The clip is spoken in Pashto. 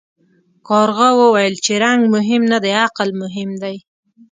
کارغه وویل چې رنګ مهم نه دی عقل مهم دی.